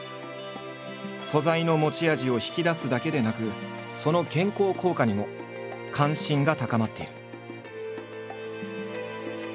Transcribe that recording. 素材の持ち味を引き出すだけでなくその健康効果にも関心が高まっている。